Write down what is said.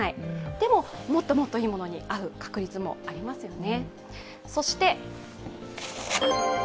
でも、もっともっといいものに会う確率もありますよね。